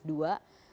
sementara kita tahu